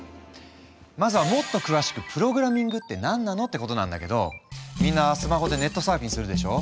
まずはもっと詳しく「プログラミングって何なの？」ってことなんだけどみんなスマホでネットサーフィンするでしょ？